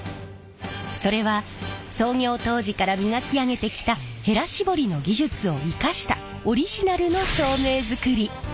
それは創業当時から磨き上げてきたへら絞りの技術を生かしたオリジナルの照明づくり。